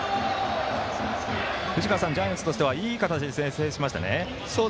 藤川さん、ジャイアンツとしてはいい形で先制しましたね。